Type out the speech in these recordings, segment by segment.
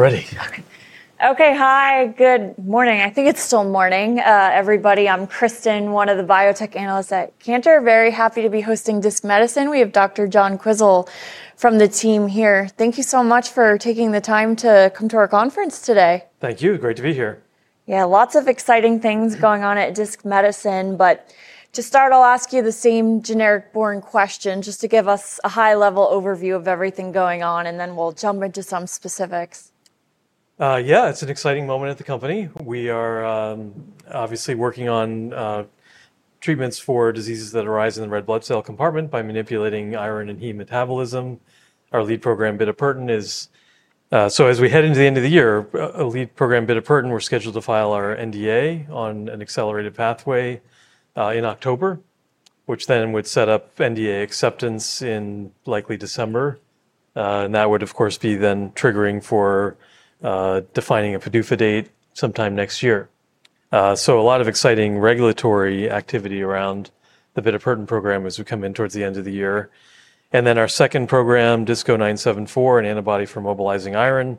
Ready. Okay, hi, good morning. I think it's still morning, everybody. I'm Kristen, one of the Biotech Analysts at Cantor. Very happy to be hosting Disc Medicine. We have Dr. John Quisel from the team here. Thank you so much for taking the time to come to our conference today. Thank you. Great to be here. Yeah, lots of exciting things going on at Disc Medicine. But to start, I'll ask you the same generic, boring question, just to give us a high-level overview of everything going on, and then we'll jump into some specifics. Yeah, it's an exciting moment at the company. We are obviously working on treatments for diseases that arise in the red blood cell compartment by manipulating iron and heme metabolism. Our lead program, bitopertin, is... So as we head into the end of the year, a lead program, bitopertin, we're scheduled to file our NDA on an accelerated pathway in October, which then would set up NDA acceptance in likely December. And that would, of course, be then triggering for defining a PDUFA date sometime next year. So a lot of exciting regulatory activity around the bitopertin program as we come in towards the end of the year. And then our second program, DISC-0974, an antibody for mobilizing iron.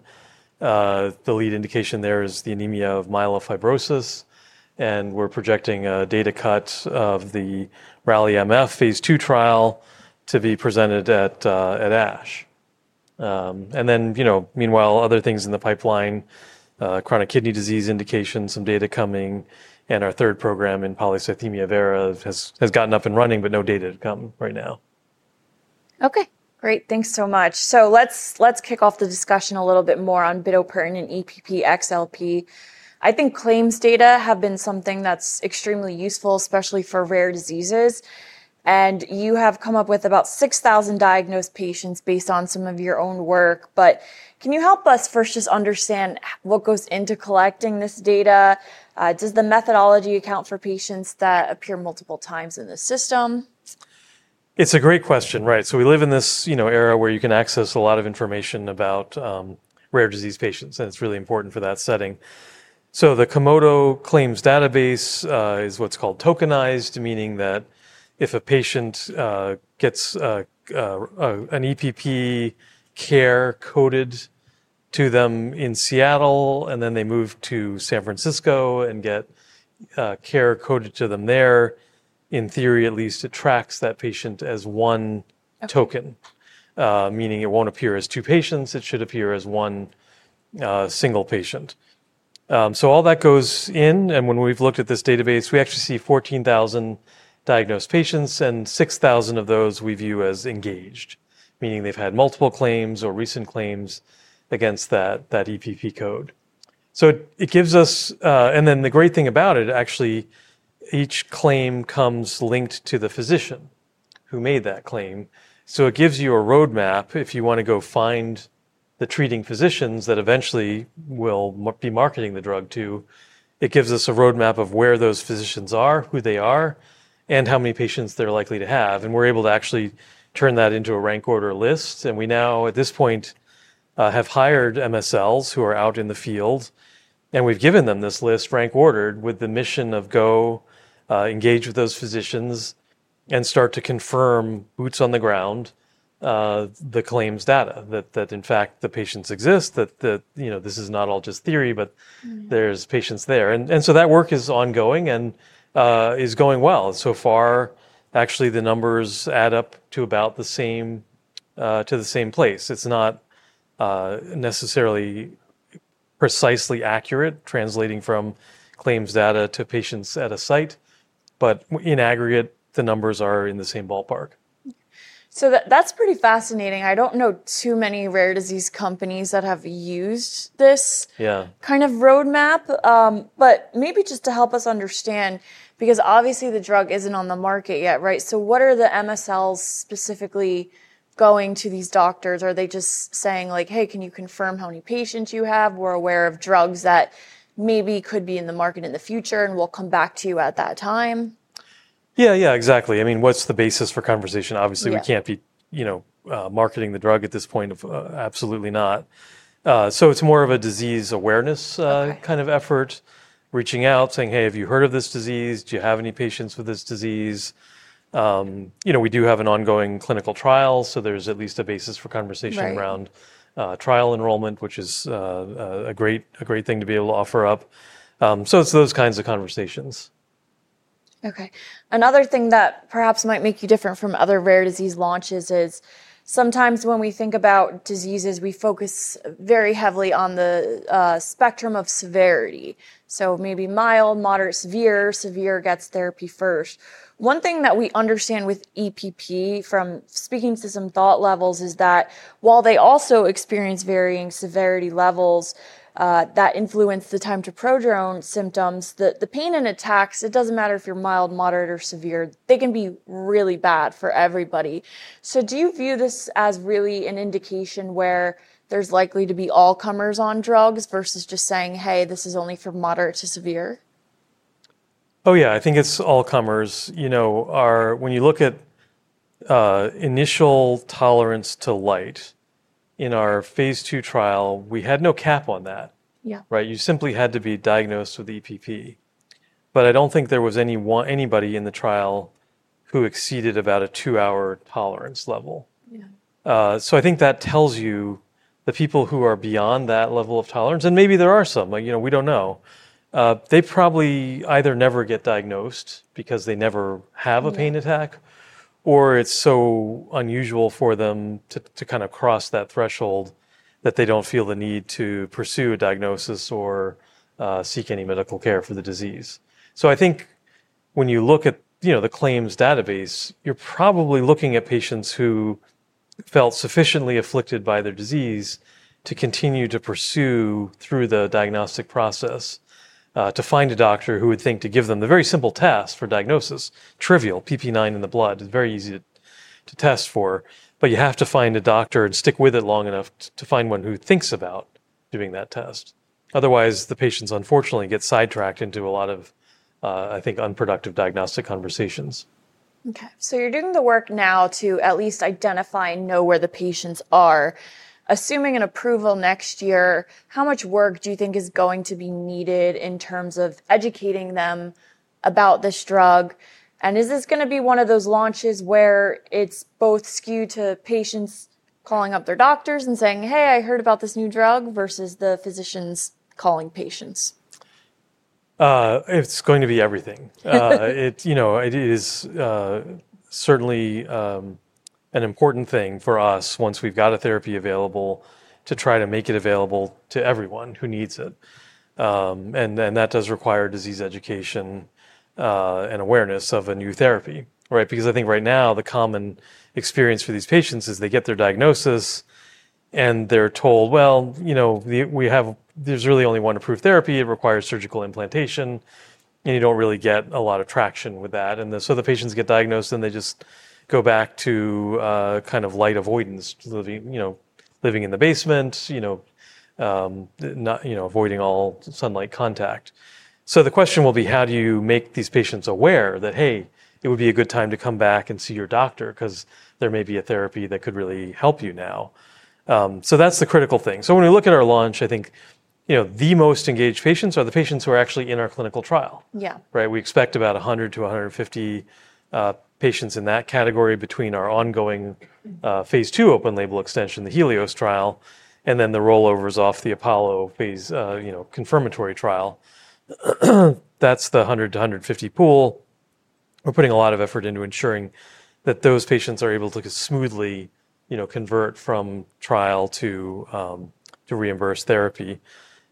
The lead indication there is the anemia of myelofibrosis. And we're projecting a data cut of the RALLY-MF phase II trial to be presented at ASH. And then, you know, meanwhile, other things in the pipeline, chronic kidney disease indication, some data coming. And our third program in polycythemia vera has gotten up and running, but no data to come right now. Okay, great. Thanks so much. So let's kick off the discussion a little bit more on bitopertin and EPP-XLP. I think claims data have been something that's extremely useful, especially for rare diseases. And you have come up with about 6,000 diagnosed patients based on some of your own work. But can you help us first just understand what goes into collecting this data? Does the methodology account for patients that appear multiple times in the system? It's a great question, right? So we live in this era where you can access a lot of information about rare disease patients, and it's really important for that setting. So the Komodo claims database is what's called tokenized, meaning that if a patient gets an EPP code coded to them in Seattle, and then they move to San Francisco and get an EPP code coded to them there, in theory, at least, it tracks that patient as one token, meaning it won't appear as two patients. It should appear as one single patient. So all that goes in. And when we've looked at this database, we actually see 14,000 diagnosed patients, and 6,000 of those we view as engaged, meaning they've had multiple claims or recent claims against that EPP code. So it gives us... And then the great thing about it, actually, each claim comes linked to the physician who made that claim. So it gives you a roadmap if you want to go find the treating physicians that eventually will be marketing the drug to. It gives us a roadmap of where those physicians are, who they are, and how many patients they're likely to have and we're able to actually turn that into a rank order list and we now, at this point, have hired MSLs who are out in the field. We've given them this list, rank ordered, with the mission of go engage with those physicians and start to confirm boots on the ground the claims data, that in fact, the patients exist, that this is not all just theory, but there's patients there. So that work is ongoing and is going well. So far, actually, the numbers add up to about the same, to the same place. It's not necessarily precisely accurate translating from claims data to patients at a site, but in aggregate, the numbers are in the same ballpark. So that's pretty fascinating. I don't know too many rare disease companies that have used this kind of roadmap. But maybe just to help us understand, because obviously the drug isn't on the market yet, right? So what are the MSLs specifically going to these doctors? Are they just saying like, "Hey, can you confirm how many patients you have? We're aware of drugs that maybe could be in the market in the future, and we'll come back to you at that time. Yeah, yeah, exactly. I mean, what's the basis for conversation? Obviously, we can't be marketing the drug at this point. Absolutely not. So it's more of a disease awareness kind of effort, reaching out, saying, "Hey, have you heard of this disease? Do you have any patients with this disease?" You know, we do have an ongoing clinical trial, so there's at least a basis for conversation around trial enrollment, which is a great thing to be able to offer up. So it's those kinds of conversations. Okay. Another thing that perhaps might make you different from other rare disease launches is sometimes when we think about diseases, we focus very heavily on the spectrum of severity. So maybe mild, moderate, severe, severe gets therapy first. One thing that we understand with EPP, from speaking to some thought leaders, is that while they also experience varying severity levels that influence the time to prodrome symptoms, the pain and attacks, it doesn't matter if you're mild, moderate, or severe, they can be really bad for everybody. So do you view this as really an indication where there's likely to be all comers on drugs versus just saying, "Hey, this is only for moderate to severe"? Oh, yeah, I think it's all comers. You know, when you look at initial tolerance to light in our phase II trial, we had no cap on that, right? You simply had to be diagnosed with EPP. But I don't think there was anybody in the trial who exceeded about a two-hour tolerance level. So I think that tells you the people who are beyond that level of tolerance, and maybe there are some, you know, we don't know, they probably either never get diagnosed because they never have a pain attack, or it's so unusual for them to kind of cross that threshold that they don't feel the need to pursue a diagnosis or seek any medical care for the disease. I think when you look at the claims database, you're probably looking at patients who felt sufficiently afflicted by their disease to continue to pursue through the diagnostic process to find a doctor who would think to give them the very simple test for diagnosis, trivial, PPIX in the blood, is very easy to test for. But you have to find a doctor and stick with it long enough to find one who thinks about doing that test. Otherwise, the patients unfortunately get sidetracked into a lot of, I think, unproductive diagnostic conversations. Okay. So you're doing the work now to at least identify and know where the patients are. Assuming an approval next year, how much work do you think is going to be needed in terms of educating them about this drug? And is this going to be one of those launches where it's both skewed to patients calling up their doctors and saying, "Hey, I heard about this new drug," versus the physicians calling patients? It's going to be everything. It is certainly an important thing for us once we've got a therapy available to try to make it available to everyone who needs it. And then that does require disease education and awareness of a new therapy, right? Because I think right now, the common experience for these patients is they get their diagnosis and they're told, "Well, you know, there's really only one approved therapy. It requires surgical implantation." And you don't really get a lot of traction with that. And so the patients get diagnosed and they just go back to kind of light avoidance, living in the basement, avoiding all sunlight contact. So the question will be, how do you make these patients aware that, "Hey, it would be a good time to come back and see your doctor because there may be a therapy that could really help you now"? That's the critical thing. When we look at our launch, I think the most engaged patients are the patients who are actually in our clinical trial, right? We expect about 100 to 150 patients in that category between our ongoing phase II open-label extension, the HELIOS trial, and then the rollovers off the APOLLO phase confirmatory trial. That's the 100 to 150 pool. We're putting a lot of effort into ensuring that those patients are able to smoothly convert from trial to reimbursed therapy.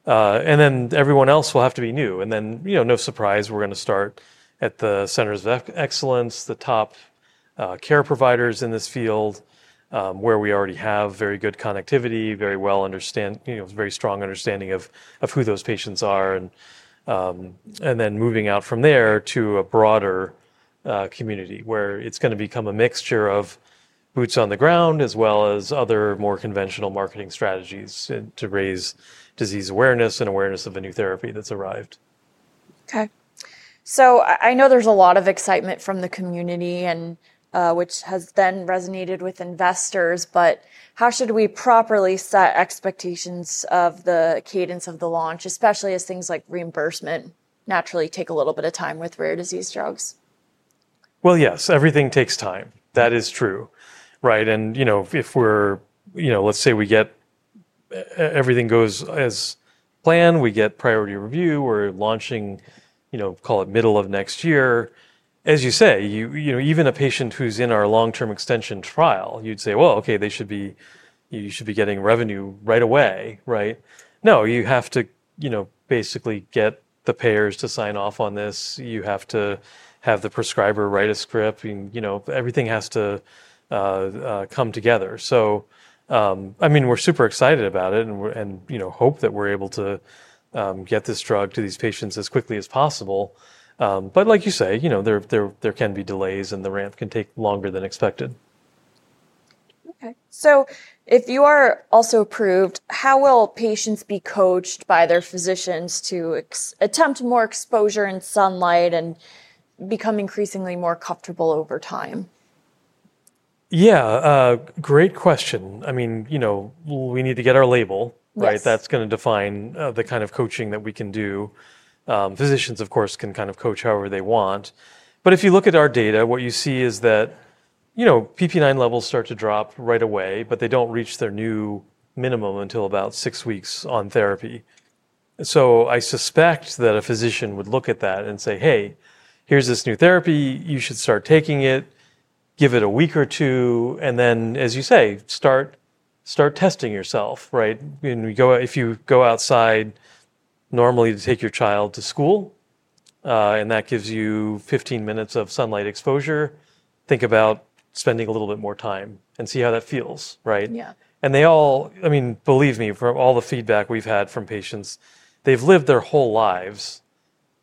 Then everyone else will have to be new. And then, you know, no surprise, we're going to start at the centers of excellence, the top care providers in this field, where we already have very good connectivity, very well understand, very strong understanding of who those patients are. And then moving out from there to a broader community where it's going to become a mixture of boots on the ground as well as other more conventional marketing strategies to raise disease awareness and awareness of a new therapy that's arrived. Okay, so I know there's a lot of excitement from the community, which has then resonated with investors, but how should we properly set expectations of the cadence of the launch, especially as things like reimbursement naturally take a little bit of time with rare disease drugs? Yes, everything takes time. That is true, right? If we're, let's say we get, everything goes as planned, we get priority review, we're launching, call it middle of next year. As you say, even a patient who's in our long-term extension trial, you'd say, "Well, okay, they should be, you should be getting revenue right away," right? No, you have to basically get the payers to sign off on this. You have to have the prescriber write a script, everything has to come together. I mean, we're super excited about it and hope that we're able to get this drug to these patients as quickly as possible. Like you say, there can be delays and the ramp can take longer than expected. Okay. So if you are also approved, how will patients be coached by their physicians to attempt more exposure and sunlight and become increasingly more comfortable over time? Yeah, great question. I mean, we need to get our label, right? That's going to define the kind of coaching that we can do. Physicians, of course, can kind of coach however they want. But if you look at our data, what you see is that PPIX levels start to drop right away, but they don't reach their new minimum until about six weeks on therapy. So I suspect that a physician would look at that and say, "Hey, here's this new therapy. You should start taking it, give it a week or two, and then, as you say, start testing yourself," right? If you go outside normally to take your child to school and that gives you 15 minutes of sunlight exposure, think about spending a little bit more time and see how that feels, right? Yeah. They all, I mean, believe me, from all the feedback we've had from patients, they've lived their whole lives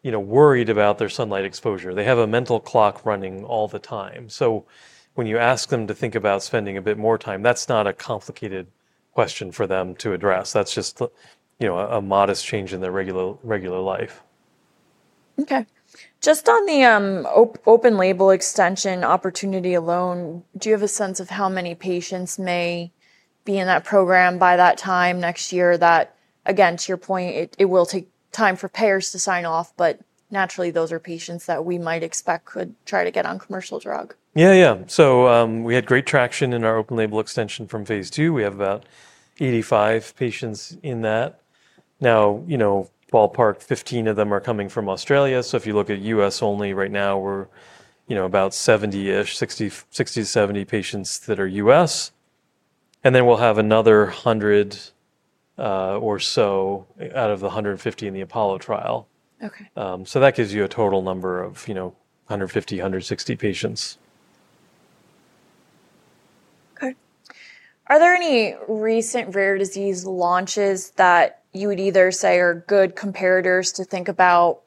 worried about their sunlight exposure. They have a mental clock running all the time. So when you ask them to think about spending a bit more time, that's not a complicated question for them to address. That's just a modest change in their regular life. Okay. Just on the open label extension opportunity alone, do you have a sense of how many patients may be in that program by that time next year that, again, to your point, it will take time for payers to sign off, but naturally, those are patients that we might expect could try to get on commercial drug? Yeah, yeah. So we had great traction in our open label extension from phase II. We have about 85 patients in that. Now, ballpark, 15 of them are coming from Australia. So if you look at U.S. only right now, we're about 70-ish, 60 to 70 patients that are U.S. And then we'll have another 100 or so out of the 150 in the APOLLO trial. So that gives you a total number of 150, 160 patients. Okay. Are there any recent rare disease launches that you would either say are good comparators to think about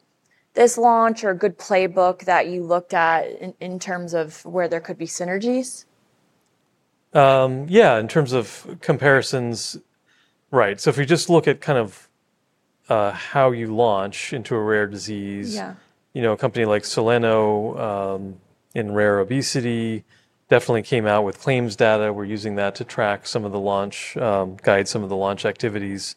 this launch or a good playbook that you looked at in terms of where there could be synergies? Yeah, in terms of comparisons, right? So if you just look at kind of how you launch into a rare disease, a company like Soleno in rare obesity definitely came out with claims data. We're using that to track some of the launch, guide some of the launch activities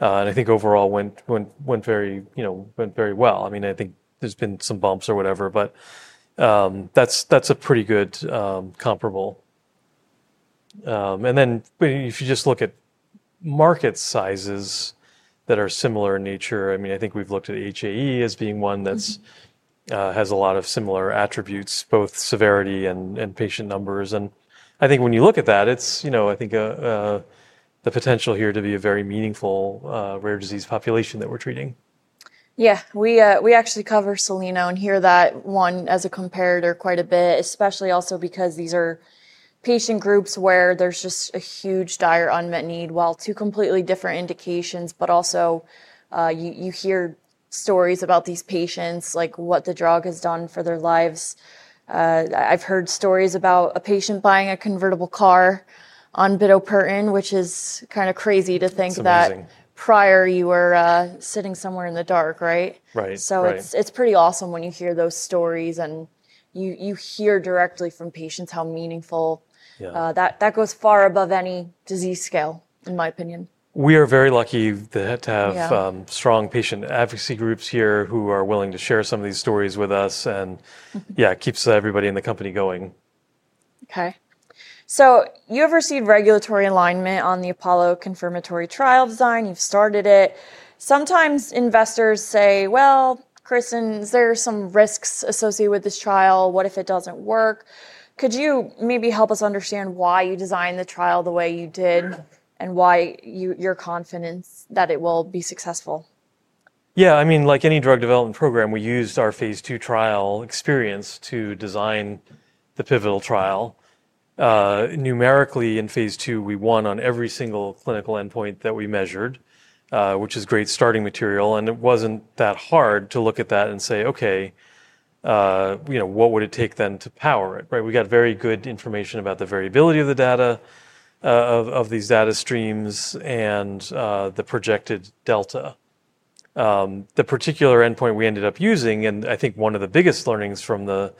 and I think overall went very well. I mean, I think there's been some bumps or whatever, but that's a pretty good comparable. And then if you just look at market sizes that are similar in nature, I mean, I think we've looked at HAE as being one that has a lot of similar attributes, both severity and patient numbers. And I think when you look at that, it's, I think, the potential here to be a very meaningful rare disease population that we're treating. Yeah, we actually cover Soleno and hear that one as a comparator quite a bit, especially also because these are patient groups where there's just a huge dire unmet need while two completely different indications, but also you hear stories about these patients, like what the drug has done for their lives. I've heard stories about a patient buying a convertible car on bitopertin, which is kind of crazy to think that prior you were sitting somewhere in the dark, right? Right. So it's pretty awesome when you hear those stories and you hear directly from patients how meaningful that goes far above any disease scale, in my opinion. We are very lucky to have strong patient advocacy groups here who are willing to share some of these stories with us and, yeah, keeps everybody in the company going. Okay. So you have received regulatory alignment on the APOLLO confirmatory trial design. You've started it. Sometimes investors say, "Well, Kristen, is there some risks associated with this trial? What if it doesn't work?" Could you maybe help us understand why you designed the trial the way you did and why you're confident that it will be successful? Yeah, I mean, like any drug development program, we used our phase II trial experience to design the pivotal trial. Numerically, in phase II, we won on every single clinical endpoint that we measured, which is great starting material. It wasn't that hard to look at that and say, "Okay, what would it take then to power it?" Right? We got very good information about the variability of the data of these data streams and the projected delta. The particular endpoint we ended up using, and I think one of the biggest learnings from the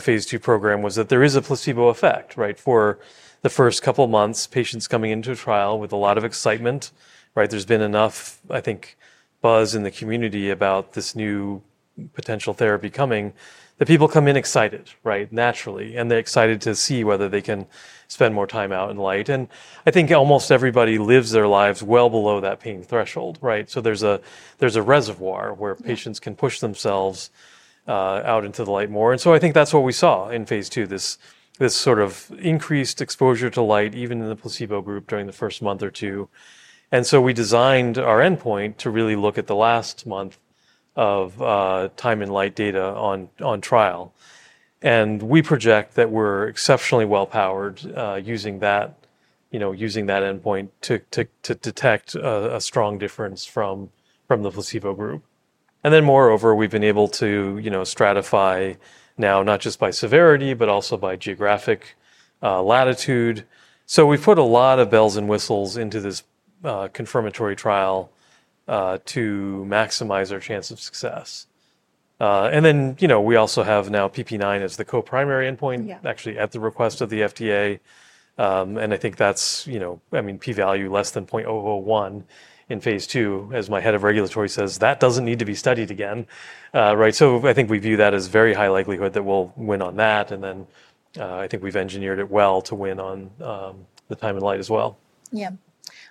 phase II program was that there is a placebo effect, right? For the first couple of months, patients coming into a trial with a lot of excitement, right? There's been enough, I think, buzz in the community about this new potential therapy coming that people come in excited, right? Naturally. They're excited to see whether they can spend more time out in light. And I think almost everybody lives their lives well below that pain threshold, right? So there's a reservoir where patients can push themselves out into the light more. And so I think that's what we saw in phase II, this sort of increased exposure to light, even in the placebo group during the first month or two. And so we designed our endpoint to really look at the last month of time in light data on trial. And we project that we're exceptionally well-powered using that endpoint to detect a strong difference from the placebo group. And then moreover, we've been able to stratify now, not just by severity, but also by geographic latitude. So we've put a lot of bells and whistles into this confirmatory trial to maximize our chance of success. And then we also have now PPIX as the co-primary endpoint, actually at the request of the FDA. And I think that's, I mean, p-value less than 0.001 in phase II, as my head of regulatory says, that doesn't need to be studied again, right? So I think we view that as very high likelihood that we'll win on that and then I think we've engineered it well to win on the time in light as well. Yeah.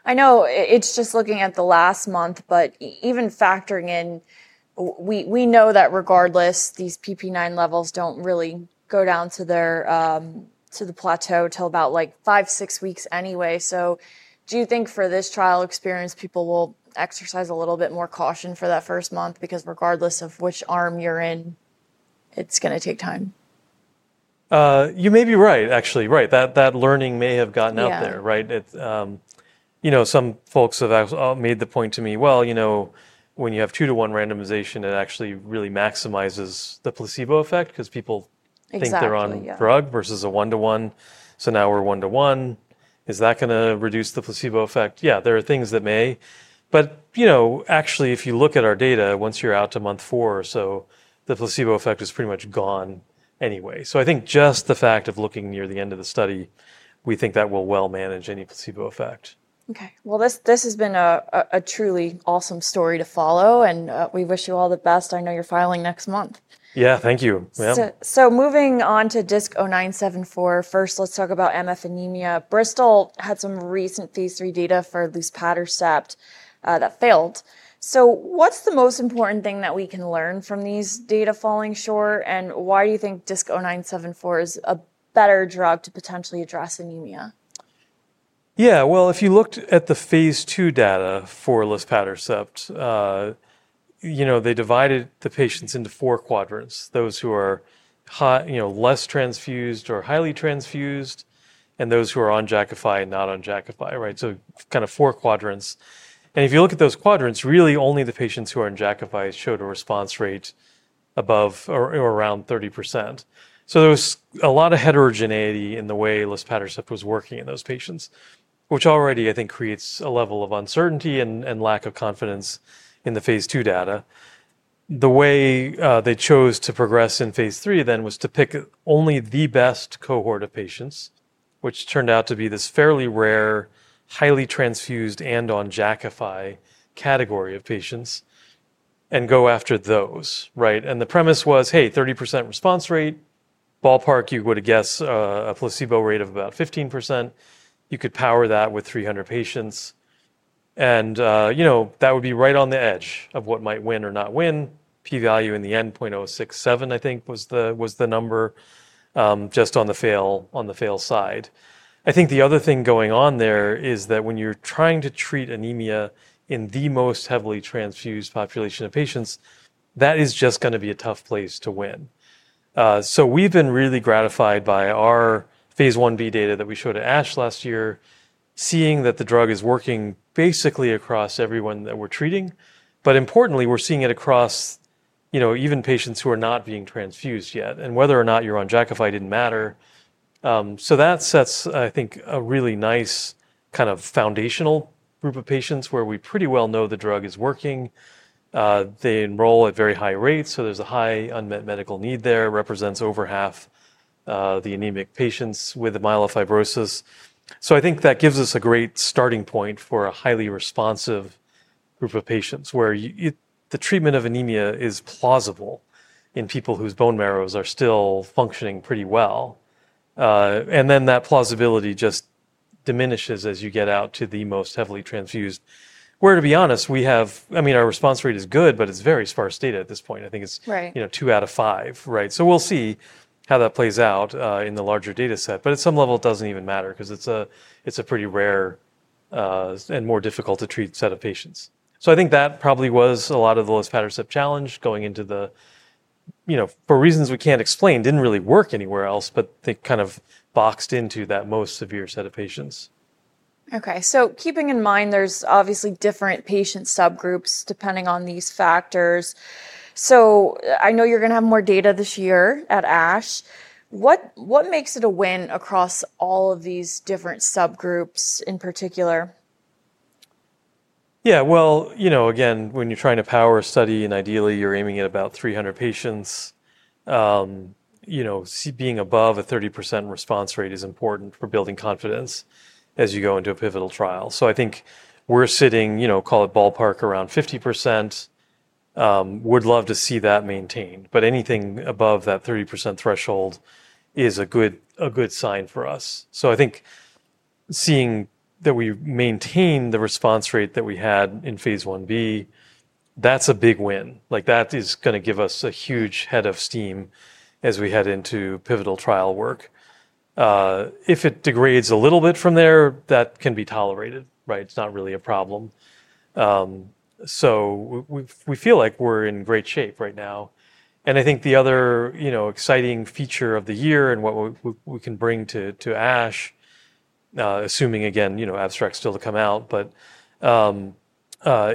I know it's just looking at the last month, but even factoring in, we know that regardless, these PPIX levels don't really go down to the plateau till about like five, six weeks anyway. So do you think for this trial experience, people will exercise a little bit more caution for that first month? Because regardless of which arm you're in, it's going to take time. You may be right, actually. Right. That learning may have gotten out there, right? Some folks have made the point to me, "Well, you know, when you have two-to-one randomization, it actually really maximizes the placebo effect because people think they're on drug versus a one-to-one. So now we're one-to-one. Is that going to reduce the placebo effect?" Yeah, there are things that may. But actually, if you look at our data, once you're out to month four or so, the placebo effect is pretty much gone anyway. So I think just the fact of looking near the end of the study, we think that will well manage any placebo effect. Okay. Well, this has been a truly awesome story to follow, and we wish you all the best. I know you're filing next month. Yeah, thank you. Moving on to DISC-0974, first, let's talk about MF anemia. Bristol had some recent phase III data for luspatercept that failed. What's the most important thing that we can learn from these data falling short, and why do you think DISC-0974 is a better drug to potentially address anemia? Yeah, well, if you looked at the phase II data for luspatercept, they divided the patients into four quadrants, those who are less transfused or highly transfused and those who are on Jakafi and not on Jakafi, right? So kind of four quadrants. If you look at those quadrants, really only the patients who are in Jakafi showed a response rate above or around 30%. So there was a lot of heterogeneity in the way luspatercept was working in those patients, which already, I think, creates a level of uncertainty and lack of confidence in the phase II data. The way they chose to progress in phase III then was to pick only the best cohort of patients, which turned out to be this fairly rare, highly transfused and on Jakafi category of patients, and go after those, right? The premise was, "Hey, 30% response rate, ballpark, you would have guessed a placebo rate of about 15%. You could power that with 300 patients." That would be right on the edge of what might win or not win, p-value in the end, 0.067, I think, was the number just on the fail side. I think the other thing going on there is that when you're trying to treat anemia in the most heavily transfused population of patients, that is just going to be a tough place to win. We've been really gratified by our phase I-B data that we showed at ASH last year, seeing that the drug is working basically across everyone that we're treating. But importantly, we're seeing it across even patients who are not being transfused yet. Whether or not you're on Jakafi didn't matter. That sets, I think, a really nice kind of foundational group of patients where we pretty well know the drug is working. They enroll at very high rates. There's a high unmet medical need there, represents over half the anemic patients with myelofibrosis. That gives us a great starting point for a highly responsive group of patients where the treatment of anemia is plausible in people whose bone marrows are still functioning pretty well. That plausibility just diminishes as you get out to the most heavily transfused, where to be honest, we have, I mean, our response rate is good, but it's very sparse data at this point. I think it's two out of five, right? We'll see how that plays out in the larger data set. But at some level, it doesn't even matter because it's a pretty rare and more difficult to treat set of patients. So I think that probably was a lot of the luspatercept challenge going into the, for reasons we can't explain, didn't really work anywhere else, but they kind of boxed into that most severe set of patients. Okay. So keeping in mind, there's obviously different patient subgroups depending on these factors. So I know you're going to have more data this year at ASH. What makes it a win across all of these different subgroups in particular? Yeah, well, you know, again, when you're trying to power a study and ideally you're aiming at about 300 patients, being above a 30% response rate is important for building confidence as you go into a pivotal trial. So I think we're sitting, call it ballpark around 50%. Would love to see that maintained. But anything above that 30% threshold is a good sign for us. So I think seeing that we maintain the response rate that we had in phase 1b, that's a big win. Like that is going to give us a huge head of steam as we head into pivotal trial work. If it degrades a little bit from there, that can be tolerated, right? It's not really a problem. So we feel like we're in great shape right now. And I think the other exciting feature of the year and what we can bring to ASH, assuming again, abstract still to come out, but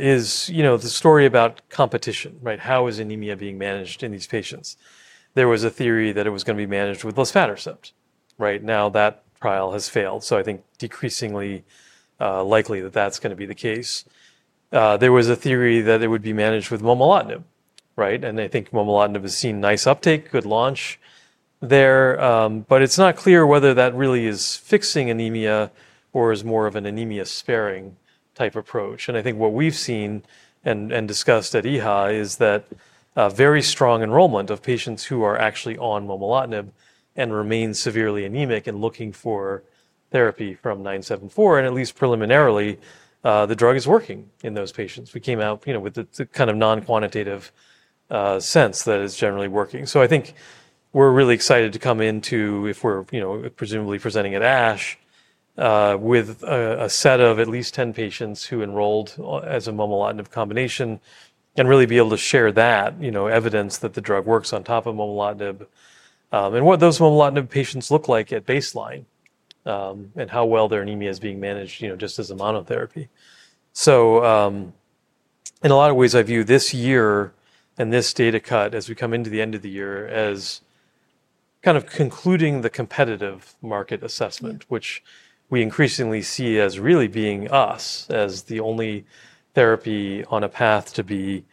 is the story about competition, right? How is anemia being managed in these patients? There was a theory that it was going to be managed with luspatercept, right? Now that trial has failed. So I think decreasingly likely that that's going to be the case. There was a theory that it would be managed with momelotinib, right? I think momelotinib has seen nice uptake, good launch there. But it's not clear whether that really is fixing anemia or is more of an anemia sparing type approach. I think what we've seen and discussed at EHA is that very strong enrollment of patients who are actually on momelotinib and remain severely anemic and looking for therapy from DISC-0974, and at least preliminarily, the drug is working in those patients. We came out with the kind of non-quantitative sense that it's generally working. I think we're really excited to come into if we're presumably presenting at ASH with a set of at least 10 patients who enrolled as a momelotinib combination and really be able to share that evidence that the drug works on top of momelotinib and what those momelotinib patients look like at baseline and how well their anemia is being managed just as a monotherapy. So in a lot of ways, I view this year and this data cut as we come into the end of the year as kind of concluding the competitive market assessment, which we increasingly see as really being us as the only therapy on a path to be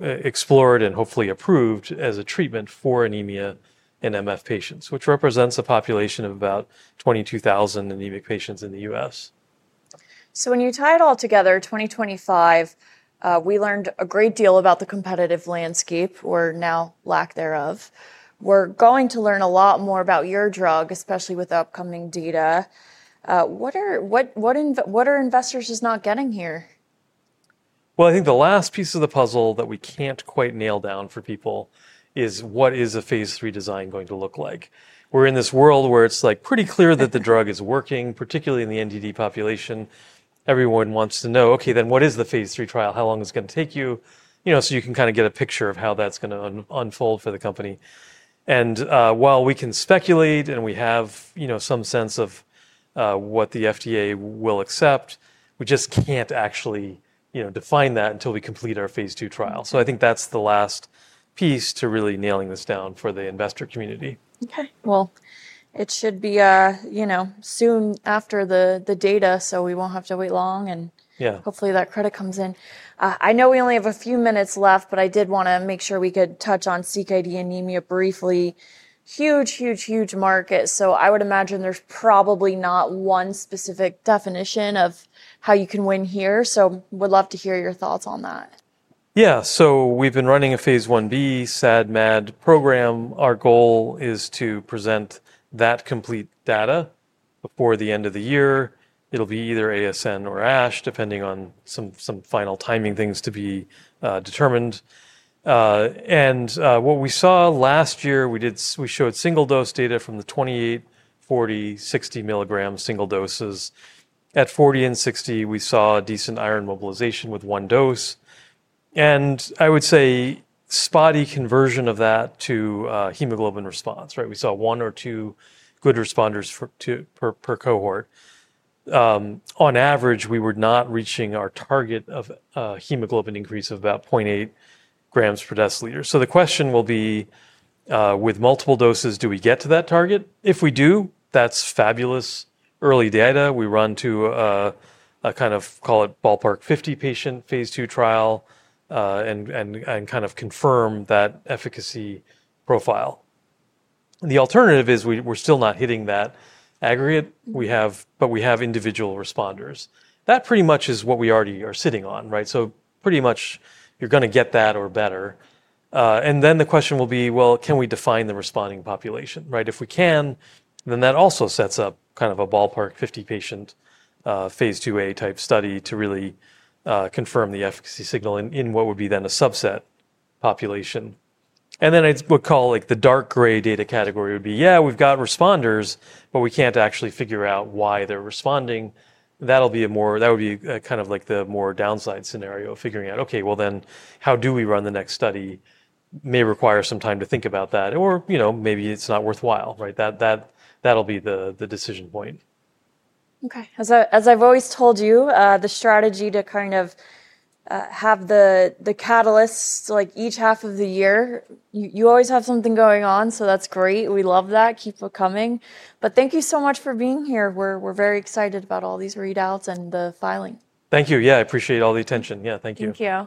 explored and hopefully approved as a treatment for anemia in MF patients, which represents a population of about 22,000 anemic patients in the U.S. So, when you tie it all together, 2025, we learned a great deal about the competitive landscape, or now lack thereof. We're going to learn a lot more about your drug, especially with upcoming data. What are investors not getting here? I think the last piece of the puzzle that we can't quite nail down for people is what is a phase III design going to look like? We're in this world where it's like pretty clear that the drug is working, particularly in the NDD population. Everyone wants to know, "Okay, then what is the phase III trial? How long is it going to take you?" So you can kind of get a picture of how that's going to unfold for the company. And while we can speculate and we have some sense of what the FDA will accept, we just can't actually define that until we complete our phase II trial. So I think that's the last piece to really nailing this down for the investor community. Okay. Well, it should be soon after the data, so we won't have to wait long and hopefully that credit comes in. I know we only have a few minutes left, but I did want to make sure we could touch on CKD anemia briefly. Huge, huge, huge market. So I would imagine there's probably not one specific definition of how you can win here. So would love to hear your thoughts on that. Yeah. So we've been running a phase I-B, SAD/MAD program. Our goal is to present that complete data before the end of the year. It'll be either ASN or ASH, depending on some final timing things to be determined. What we saw last year, we showed single dose data from the 28, 40, 60 mg single doses. At 40 and 60 mg, we saw decent iron mobilization with one dose. I would say spotty conversion of that to hemoglobin response, right? We saw one or two good responders per cohort. On average, we were not reaching our target of hemoglobin increase of about 0.8 g per dL. The question will be, with multiple doses, do we get to that target? If we do, that's fabulous early data. We're onto a kind of, call it, ballpark 50-patient phase II trial and kind of confirm that efficacy profile. The alternative is we're still not hitting that aggregate, but we have individual responders. That pretty much is what we already are sitting on, right, so pretty much you're going to get that or better, and then the question will be, well, can we define the responding population, right? If we can, then that also sets up kind of a ballpark 50-patient phase II-A-type study to really confirm the efficacy signal in what would be then a subset population, and then I would call like the dark-gray data category would be, yeah, we've got responders, but we can't actually figure out why they're responding. That would be kind of like the more downside scenario of figuring out, okay, well then how do we run the next study? May require some time to think about that, or maybe it's not worthwhile, right? That'll be the decision point. Okay. As I've always told you, the strategy to kind of have the catalysts like each half of the year, you always have something going on. So that's great. We love that. Keep it coming. But thank you so much for being here. We're very excited about all these readouts and the filing. Thank you. Yeah, I appreciate all the attention. Yeah, thank you. Thank you.